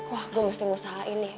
wah gue mesti ngesahin nih